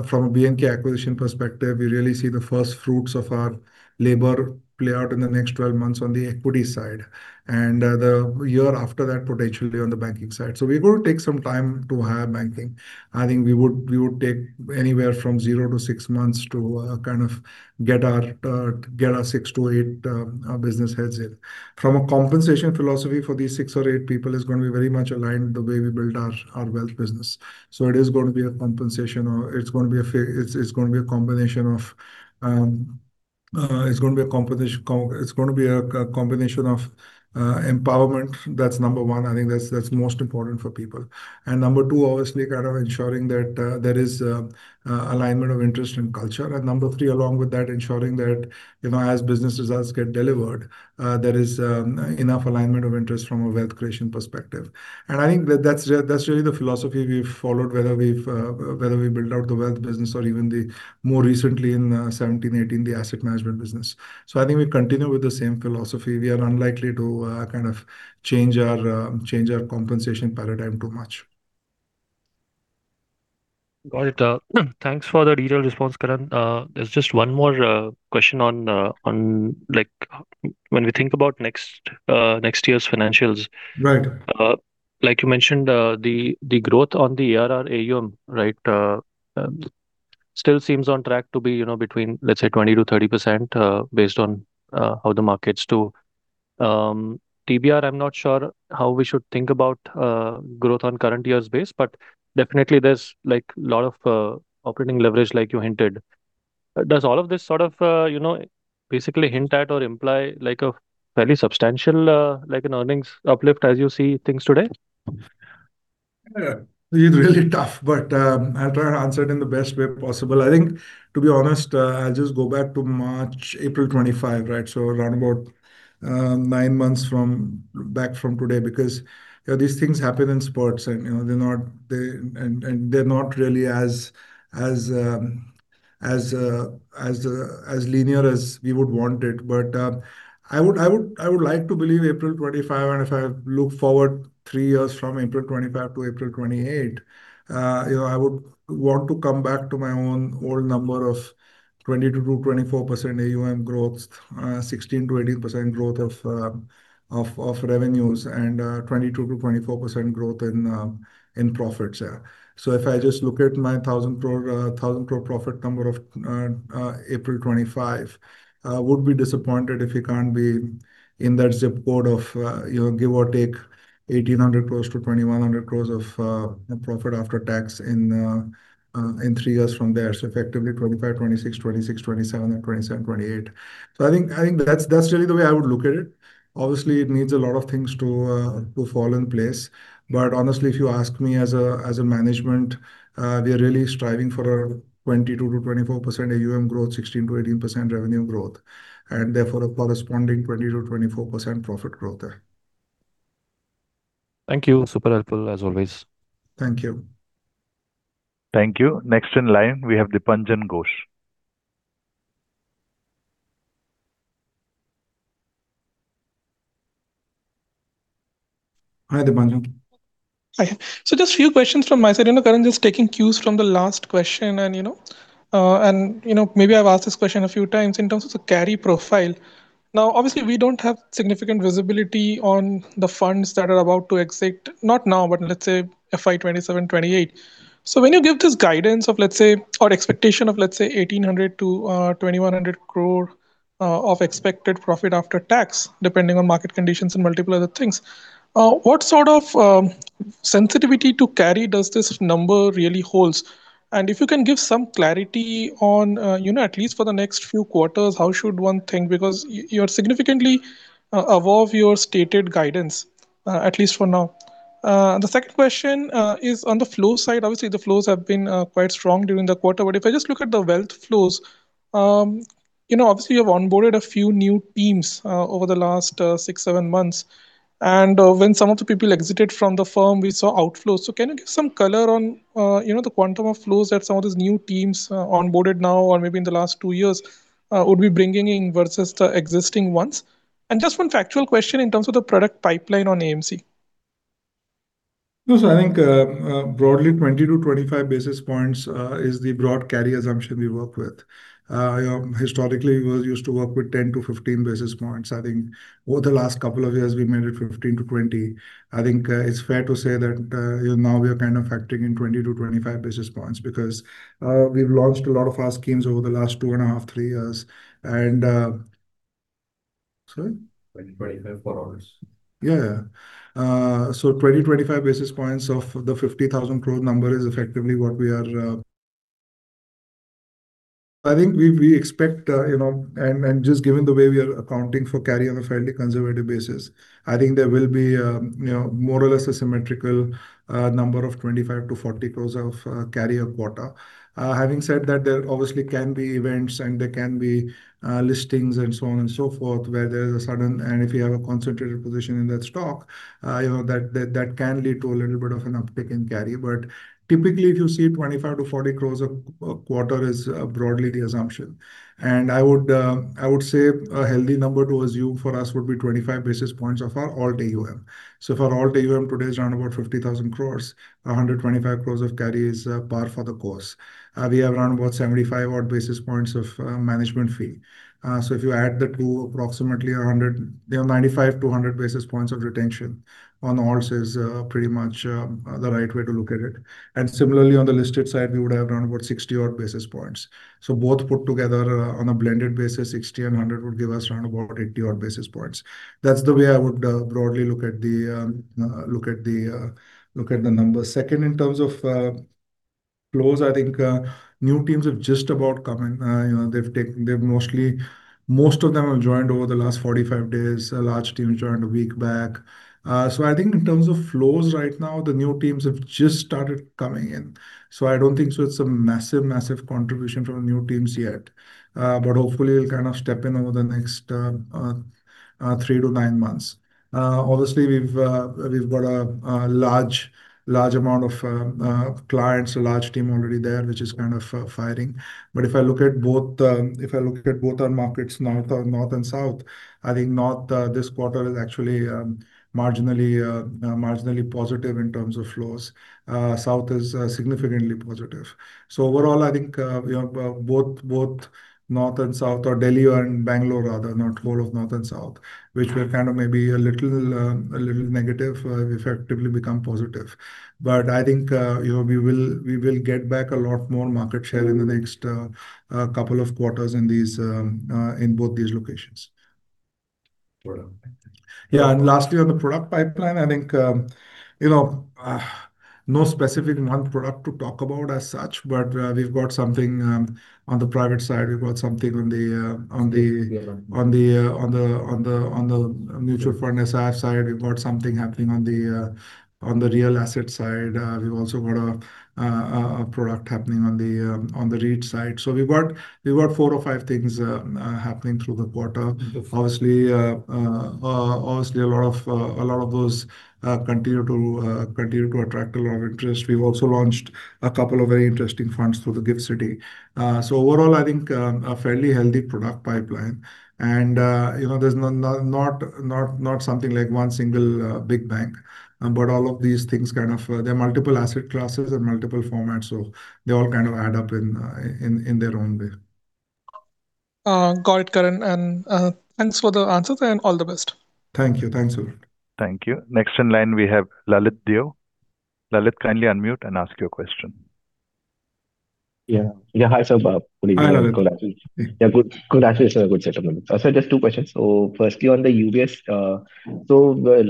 From a B&K acquisition perspective, we really see the first fruits of our labor play out in the next 12 months on the equity side and the year after that, potentially on the banking side. We're going to take some time to hire banking. I think we would take anywhere from zero to six months to kind of get our six to eight business heads in. From a compensation philosophy for these six or eight people, it's going to be very much aligned the way we build our wealth business. So it is going to be a compensation, or it's going to be a combination of empowerment. That's number one. I think that's most important for people. And number two, obviously, kind of ensuring that there is alignment of interest and culture. And number three, along with that, ensuring that as business results get delivered, there is enough alignment of interest from a wealth creation perspective. And I think that's really the philosophy we've followed, whether we've built out the wealth business or even the more recently in 2017, 2018, the asset management business. So I think we continue with the same philosophy. We are unlikely to kind of change our compensation paradigm too much. Got it. Thanks for the detailed response, Karan. There's just one more question on when we think about next year's financials. Right. Like you mentioned, the growth on the ARR AUM, right, still seems on track to be between, let's say, 20%-30% based on how the market's too. TBR, I'm not sure how we should think about growth on current year's base, but definitely there's a lot of operating leverage, like you hinted. Does all of this sort of basically hint at or imply a fairly substantial earnings uplift as you see things today? It's really tough, but I'll try to answer it in the best way possible. I think, to be honest, I'll just go back to March, April 2025, right? So around about nine months back from today because these things happen in spurts, and they're not really as linear as we would want it. But I would like to believe April 2025, and if I look forward three years from April 2025 to April 2028, I would want to come back to my own old number of 22%-24% AUM growth, 16%-18% growth of revenues, and 22%-24% growth in profits. So if I just look at my 1,000 crore profit number of April 2025, I would be disappointed if we can't be in that zip code of give or take 1,800 crores-2,100 crores of profit after tax in three years from there. So effectively 2025-2026, 2026-2027, and 2027-2028. So I think that's really the way I would look at it. Obviously, it needs a lot of things to fall in place. But honestly, if you ask me as a management, we are really striving for a 22%-24% AUM growth, 16%-18% revenue growth, and therefore a corresponding 20%-24% profit growth there. Thank you. Super helpful as always. Thank you. Thank you. Next in line, we have Dipanjan Ghosh. Hi, Dipanjan. So just a few questions from my side. Karan is just taking cues from the last question. And maybe I've asked this question a few times in terms of the carry profile. Now, obviously, we don't have significant visibility on the funds that are about to exit, not now, but let's say FY 2027, 2028. So when you give this guidance of, let's say, or expectation of, let's say, 1,800 crore-2,100 crore of expected Profit After Tax, depending on market conditions and multiple other things, what sort of sensitivity to carry does this number really hold? And if you can give some clarity on, at least for the next few quarters, how should one think? Because you're significantly above your stated guidance, at least for now. The second question is on the flow side. Obviously, the flows have been quite strong during the quarter. But if I just look at the wealth flows, obviously, you have onboarded a few new teams over the last six, seven months. And when some of the people exited from the firm, we saw outflows. So can you give some color on the quantum of flows that some of these new teams onboarded now or maybe in the last two years would be bringing in versus the existing ones? And just one factual question in terms of the product pipeline on AMC. So I think broadly, 20-25 basis points is the broad carry assumption we work with. Historically, we were used to work with 10-15 basis points. I think over the last couple of years, we made it 15-20 basis points. I think it's fair to say that now we are kind of factoring in 20-25 basis points because we've launched a lot of our schemes over the last two and a half, three years. And sorry? 20-25 basis points for ours. Yeah. So 20-25 basis points of the 50,000 crore number is effectively what we are. I think we expect, and just given the way we are accounting for carry on a fairly conservative basis, I think there will be more or less a symmetrical number of 25 crores-40 crores of carry a quarter. Having said that, there obviously can be events and there can be listings and so on and so forth where there is a sudden, and if you have a concentrated position in that stock, that can lead to a little bit of an uptick in carry. But typically, if you see 25 crores-40 crores a quarter is broadly the assumption. And I would say a healthy number to assume for us would be 25 basis points of our AUM. So for AUM today's around about 50,000 crores, 125 crores of carry is par for the course. We have around about 75 odd basis points of management fee. If you add the two, approximately 95-100 basis points of retention on the AIFs is pretty much the right way to look at it. Similarly, on the listed side, we would have around about 60 odd basis points. Both put together on a blended basis, 60 and 100 would give us around about 80 odd basis points. That's the way I would broadly look at the numbers. Second, in terms of flows, I think new teams have just about come in. They've mostly joined over the last 45 days. Large teams joined a week back. I think in terms of flows right now, the new teams have just started coming in. I don't think it's a massive contribution from new teams yet. But hopefully, we'll kind of step in over the next three to nine months. Obviously, we've got a large amount of clients, a large team already there, which is kind of firing. But if I look at both our markets, North and South, I think North this quarter is actually marginally positive in terms of flows. South is significantly positive. So overall, I think both North and South, or Delhi and Bangalore rather, not whole of North and South, which were kind of maybe a little negative, effectively become positive. But I think we will get back a lot more market share in the next couple of quarters in both these locations. Yeah. And lastly, on the product pipeline, I think no specific new product to talk about as such, but we've got something on the private side. We've got something on the mutual fund SIP side. We've got something happening on the real asset side. We've also got a product happening on the REIT side. So we've got four or five things happening through the quarter. Obviously, a lot of those continue to attract a lot of interest. We've also launched a couple of very interesting funds through the GIFT City. So overall, I think a fairly healthy product pipeline. And there's not something like one single big bang, but all of these things kind of, there are multiple asset classes and multiple formats, so they all kind of add up in their own way. Got it, Karan. And thanks for the answers and all the best. Thank you. Thanks, Ulrik. Thank you. Next in line, we have Lalit Deo. Lalit, kindly unmute and ask your question. Yeah. Yeah. Hi, Saurabh. Good afternoon. Yeah. Good afternoon, sir. Good setup. So just two questions. So firstly, on the UBS, so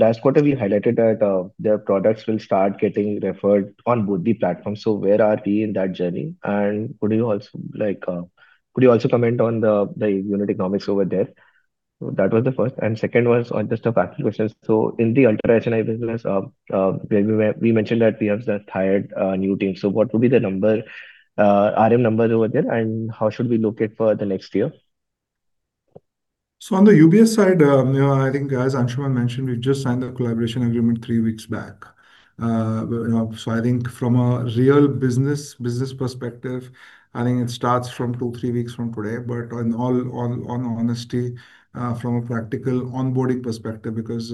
last quarter, we highlighted that their products will start getting referred on both the platforms. So where are we in that journey? And could you also comment on the unit economics over there? So that was the first. And second was just a factual question. So in the ultra HNI business, we mentioned that we have the hired new team. So what would be the RM number over there, and how should we look at for the next year? So on the UBS side, I think, as Anshuman mentioned, we just signed the collaboration agreement three weeks back. So I think from a real business perspective, I think it starts from two, three weeks from today. But in all honesty, from a practical onboarding perspective, because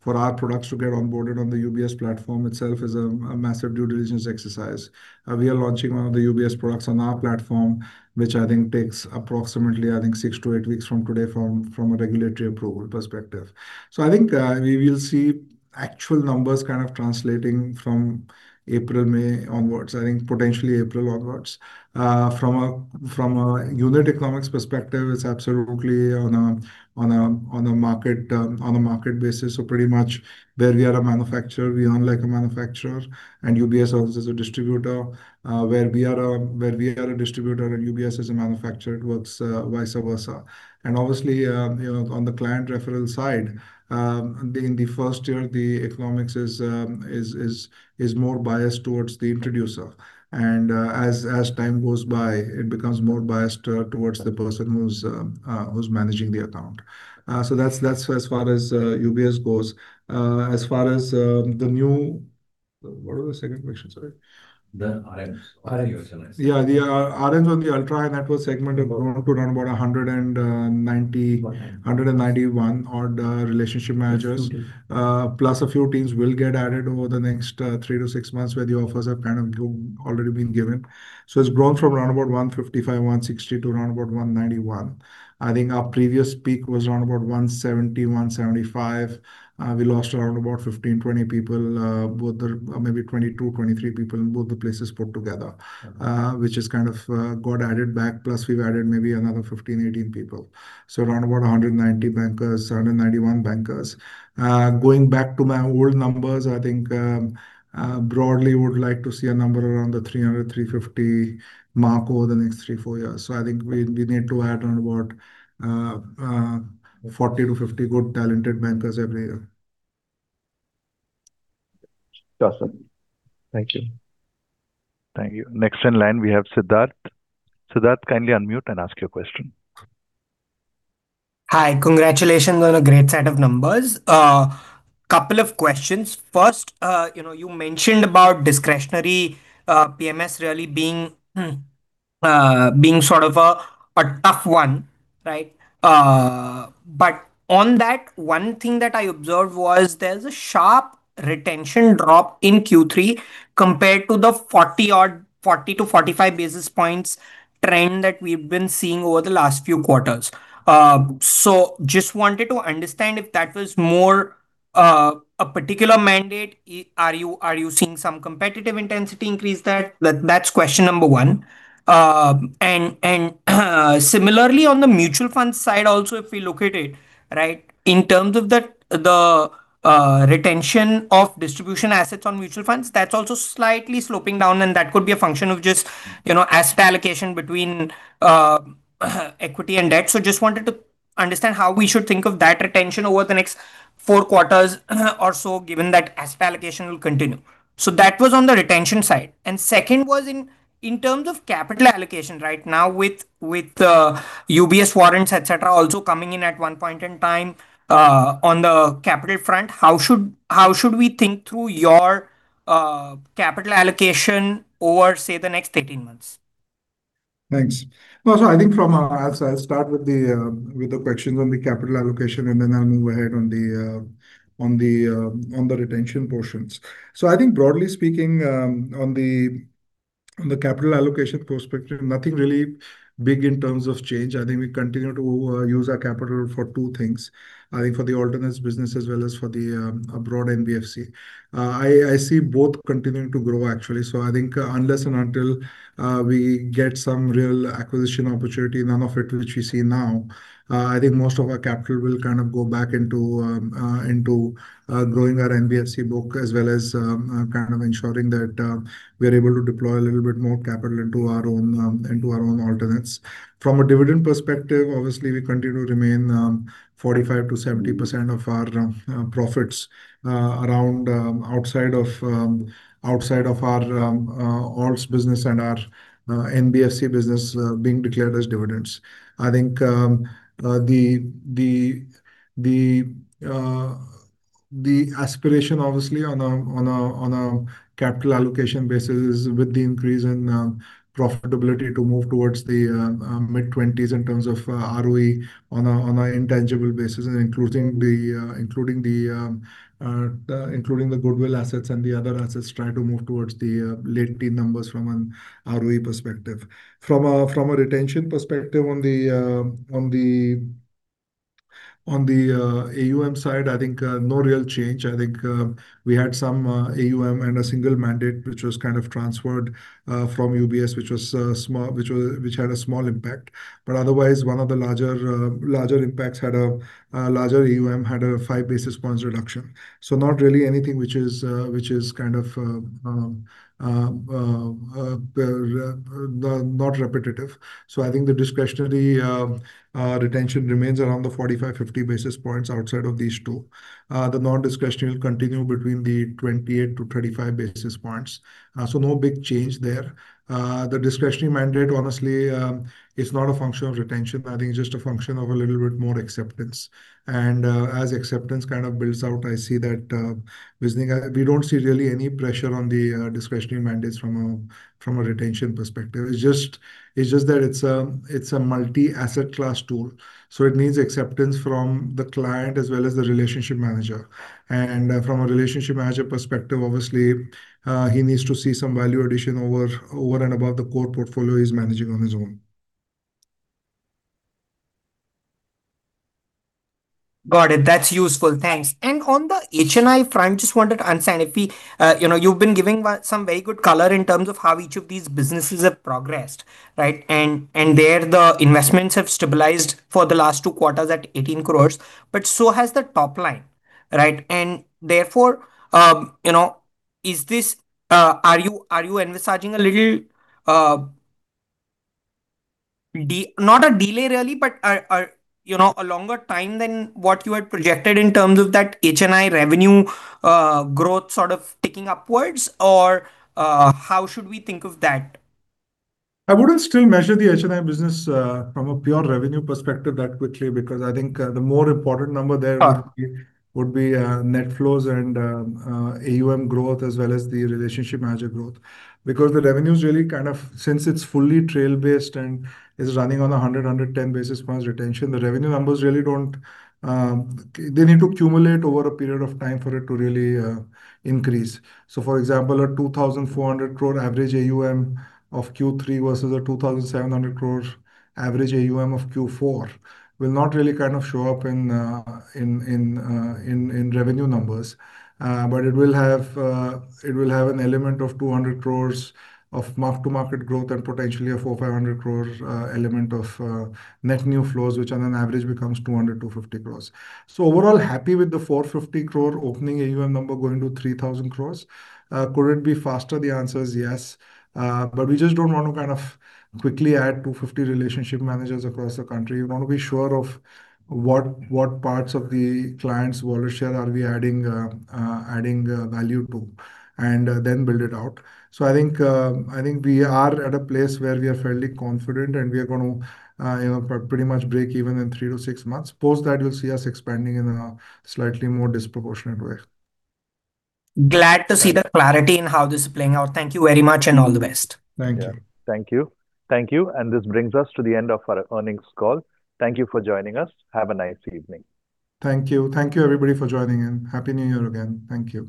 for our products to get onboarded on the UBS platform itself is a massive due diligence exercise. We are launching one of the UBS products on our platform, which I think takes approximately, I think, six to eight weeks from today from a regulatory approval perspective. So I think we will see actual numbers kind of translating from April, May onwards. I think potentially April onwards. From a unit economics perspective, it's absolutely on a market basis. So pretty much where we are a manufacturer, we are like a manufacturer, and UBS also is a distributor. Where we are a distributor and UBS is a manufacturer, it works vice versa. And obviously, on the client referral side, in the first year, the economics is more biased towards the introducer. As time goes by, it becomes more biased towards the person who's managing the account. So that's as far as UBS goes. As far as the new what was the second question? Sorry. The RMs. RMs on the UHNI segment have grown to around about 191-odd relationship managers. Plus a few teams will get added over the next three to six months where the offers have kind of already been given. So it's grown from around about 155-160 to around about 191. I think our previous peak was around about 170-175. We lost around about 15-20 people, maybe 22-23 people in both the places put together, which has kind of got added back. Plus we've added maybe another 15-18 people. So around about 190-191 bankers. Going back to my old numbers, I think broadly would like to see a number around the 300-350 mark over the next three, four years. So I think we need to add around about 40-50 good, talented bankers every year. Awesome. Thank you. Thank you. Next in line, we have Siddharth. Siddharth, kindly unmute and ask your question. Hi. Congratulations on a great set of numbers. Couple of questions. First, you mentioned about discretionary PMS really being sort of a tough one, right? But on that, one thing that I observed was there's a sharp retention drop in Q3 compared to the 40-45 basis points trend that we've been seeing over the last few quarters. So just wanted to understand if that was more a particular mandate. Are you seeing some competitive intensity increase there? That's question number one. Similarly, on the mutual funds side also, if we look at it, right, in terms of the retention of distribution assets on mutual funds, that's also slightly sloping down. That could be a function of just asset allocation between equity and debt. Just wanted to understand how we should think of that retention over the next four quarters or so, given that asset allocation will continue. That was on the retention side. Second was in terms of capital allocation right now with UBS warrants, etc., also coming in at one point in time on the capital front. How should we think through your capital allocation over, say, the next 18 months? Thanks. I think from our side, I'll start with the questions on the capital allocation, and then I'll move ahead on the retention portions. So I think broadly speaking, on the capital allocation perspective, nothing really big in terms of change. I think we continue to use our capital for two things. I think for the alternatives business as well as for our own NBFC. I see both continuing to grow, actually. So I think unless and until we get some real acquisition opportunity, none of which we see now, I think most of our capital will kind of go back into growing our NBFC book as well as kind of ensuring that we are able to deploy a little bit more capital into our own alternatives. From a dividend perspective, obviously, we continue to remain 45%-70% of our profits outside of our alts business and our NBFC business being declared as dividends. I think the aspiration, obviously, on a capital allocation basis is with the increase in profitability to move towards the mid-20s in terms of ROE on an intangible basis and including the goodwill assets and the other assets try to move towards the late teen numbers from an ROE perspective. From a retention perspective on the AUM side, I think no real change. I think we had some AUM and a single mandate, which was kind of transferred from UBS, which had a small impact. But otherwise, one of the larger impacts had a larger AUM had a five basis points reduction. So not really anything which is kind of not repetitive. So I think the discretionary retention remains around the 45 basis points, 50 basis points outside of these two. The non-discretionary will continue between the 28-35 basis points. So no big change there. The discretionary mandate, honestly, is not a function of retention. I think it's just a function of a little bit more acceptance, and as acceptance kind of builds out, I see that we don't see really any pressure on the discretionary mandates from a retention perspective. It's just that it's a multi-asset class tool, so it needs acceptance from the client as well as the relationship manager, and from a relationship manager perspective, obviously, he needs to see some value addition over and above the core portfolio he's managing on his own. Got it. That's useful. Thanks, and on the HNI front, I just wanted to understand if you've been giving some very good color in terms of how each of these businesses have progressed, right? And there, the investments have stabilized for the last two quarters at 18 crores, but so has the top line, right? Therefore, are you envisaging a little not a delay really, but a longer time than what you had projected in terms of that HNI revenue growth sort of ticking upwards? Or how should we think of that? I wouldn't still measure the HNI business from a pure revenue perspective that quickly because I think the more important number there would be net flows and AUM growth as well as the relationship manager growth. Because the revenues really kind of, since it's fully trail-based and is running on a 100-110 basis points retention, the revenue numbers really don't they need to accumulate over a period of time for it to really increase. So for example, a 2,400 crore average AUM of Q3 versus a 2,700 crore average AUM of Q4 will not really kind of show up in revenue numbers. But it will have an element of 200 crores of mark-to-market growth and potentially a 4,500 crore element of net new flows, which on an average becomes 200, 250 crores. So overall, happy with the 450 crore opening AUM number going to 3,000 crores. Could it be faster? The answer is yes. But we just don't want to kind of quickly add 250 relationship managers across the country. We want to be sure of what parts of the client's volume share are we adding value to and then build it out. So I think we are at a place where we are fairly confident and we are going to pretty much break even in three to six months. Post that, you'll see us expanding in a slightly more disproportionate way. Glad to see the clarity in how this is playing out. Thank you very much and all the best. Thank you. Thank you. Thank you. And this brings us to the end of our earnings call. Thank you for joining us. Have a nice evening. Thank you. Thank you, everybody, for joining in. Happy New Year again. Thank you.